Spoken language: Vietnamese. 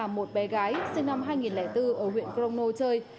một bé gái sinh năm hai nghìn bốn ở huyện crono chơi